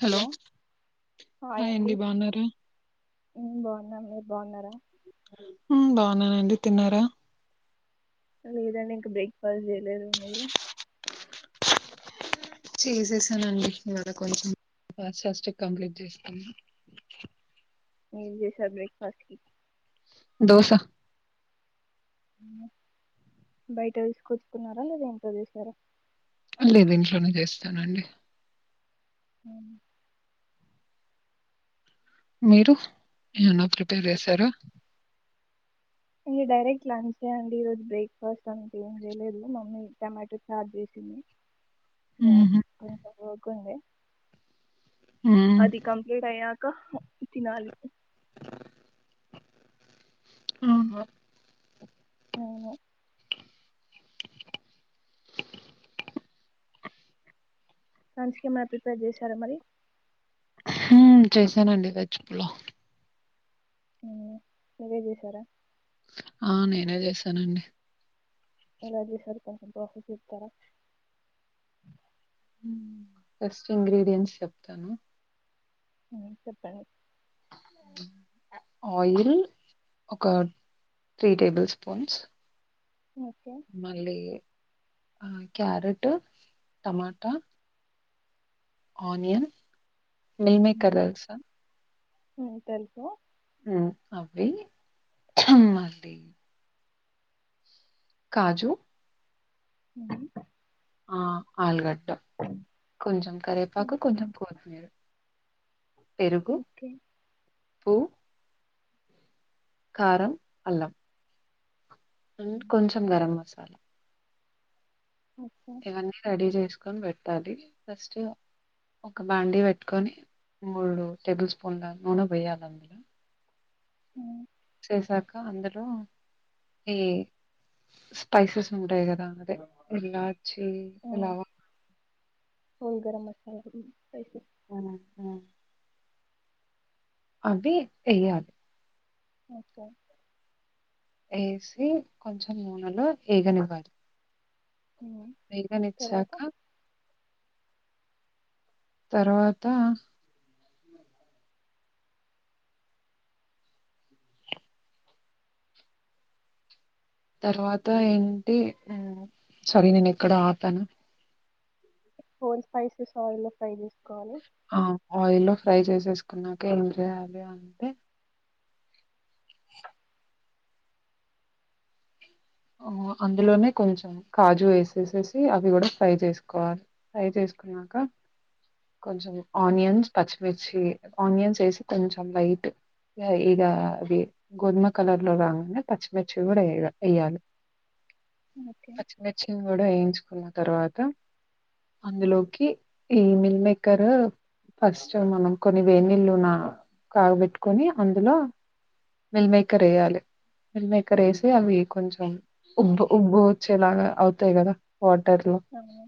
Hello hi అండి బాగున్నారా మ్మ్ బాగున్నాం మీరు బాగున్నారా మ్ బాగున్నానండి తిన్నారా లేదండి ఇంకా బ్రేక్ఫాస్ట్ చేయలేదు మీరు చేసేసానుండి ఇడ కొంచెం పాస్స్ట్ కంప్లీట్ చేస్తాను ఎం సార్ బ్రేక్ఫాస్ట్ క దోసా బయట తీసుకొచ్చుకున్నారా లేదా ఇంట్లో తీసారా లే ద ఇంట్లోనే చేస్తానండి మ్ మీరు ఏమన్నా ప్రిపేర్ చేసారా ఇ డైరెక్ట్ లంచే అండి ఈరోజు బ్రేక్ఫాస్ట్ అంత ఏం చేయలేదు మమ్మీ టమాటో చర్ చేసింది ఇ ఉహు కొంచం వర్క్ ఉంది ఉమ్ అది కంప్లీట్ అయ ఇంక తినాలి అహా అవును లంచ్ కు ఎమైనా ప్రిపేర్ చేశారా మరి మ్ చేశానండి వెజ్ పులావు మ్ మీరే చేసారా అ నేనే చేశానండి ఎలా చేసారు కొంచం ప్రాసెస్ చెప్తార మ్ ఫస్ట్ ఇంగ్రీడియంట్స్ చెప్తాను మ్ చెప్పండి ఆయిల్ ఒక త్రీ టేబుల్ స్పూన్స్ ఓకే మళ్లి అ carrot tomato onion meal maker తెలుస మ్ తెలుసు అవి మళ్లి కాజు ఉమ్ అ ఆలుగ కొంచెం కరేపాకు కొంచెం కోతుమీరు ఓకే ఉప్పు కారం అల్లం మ్ కొంచెం గరం మసాల సాల ఓకే ఇవన్నీ రెడీ చేసు కొని పెట్టాలి ఫస్ట్ ఒక బాండీ పెట్టుకొని మూడు టేబుల్ స్పూన్ల నూనె వేయాలి అందులో ఉమ్ వేసాక అందులో ఈ స్పైసెస్ ఉంటాయి కదా అదే ఇల్లాచ్చి లవం హోల్ గరం మసాలా లు స్పై అ అ అది వేయాలి ఓకే వేసి కొంచం నూనెలో ఏగనివ్వాలి ఉమ్. తర్వాత ఏగనిచ్చాక తర్వాత తర్వాత ఏంటి మ్ సారీ నేను ఎక్కడ ఆపాను హోల్ స్పైసెస్ ఆయిల్ లో ఫ్రై చేసుకోవాలి అ ఆయిల్లో ఫ్రై చేసేసుకున్నాక ఏం చేయాలి అంటే అ అందులోనే కొంచెం కాజు వేసేసేసి అవి కూడా ఫ్రై చేసుకోవాలి ఫ్రై చేసుకున్నాక కొంచెం ఆనియన్స్ పచ్చి మిర్చి ఆనియన్స్ వేసి కొంచెం లైట్ ఇగ అది గోధుమ కలర్ లో రాంగ్నే పచ్చిమిర్చి కూడా వే వేయాలి ఓకే కూడా వేయించుకున్న తర్వాత అందులోకి ఈమెల్ మమేకర్ ఫస్ట్ మనం కొన్ని వేడి నీళ్లు కాగబెట్టుకొని అందులో మిల్మేకర్ వేయాలి మిల్మేకర్ వేసి అవి కొంచెం ఉబ్బ ఉబ్బు వచ్చేలాగా అవుతాయి కదా వాటర్లో అవును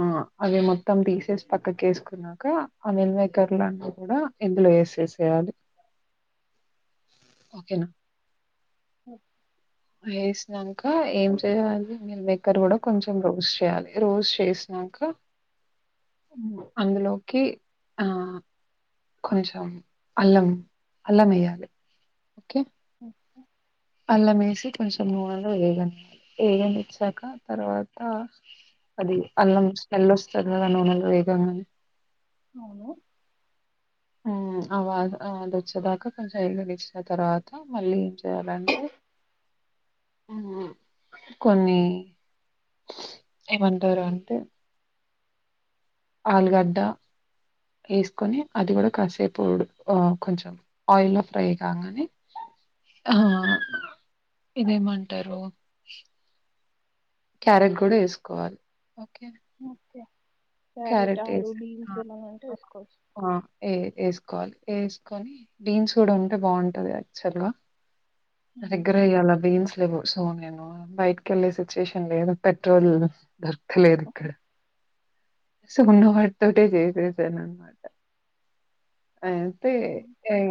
ఆ అవి మొత్తం తీసే పక్కకు వేసుకున్నాక ఆ మిల్ మేకర్ల కూడా ఇందులో వేసేసేయాలి ఓకేనా ఓ వేసినాక ఏం చేయాలి బెక్కర్ కూడా కొంచెం రోస్ చేయాలి రోస్ చేసినాక అందులోకి ఆ కొంచెం అల్లం అల్లం వేయాలి ఓకే అల్లం వేసి కొంచెం నూనెలు వేగ వేగనిచ్చాక తర్వాత అది అల్లం స్మెల్ వస్తుంది కదా నూనెలో వేగంగా అవును అ అది వచ్చేదాకా కొంచెం ఇల్లుడిచ్చిన తర్వాత మళ్ళీ ఏం చేయాలంటే కొన్ని ఏమంటారు అంటె ఆలుగడ్డ వేసుకొని అది కూడా కాసేపుడు కొంచెం ఆయిల్లో ఫ్రై కాగానే ఆ ఇదేమంటారు క్యారెట్ కూడా వేసుకోవాలి ఓకే ఓకే క్యారెట్ ఆలుూ బీన్స్ ఏమన్నాంటే వేసుకోవచ్చు వేస్కోవాలి వేస్కొని బీన్స్ కూడా ఉంటే బాగుంటది యాక్చువల్ గా అవును. దగ్గరెయ్యాలా బీన్స్ లేవు సో నేను బైటికెళ్ళే సిచ్యుయేషన్ లేదు పెట్రోల్ దొర్ క్తలేదిక్కడ ఉన్నవాటితోనే చేసేసాననమాట ఐతే అవును. ఇన్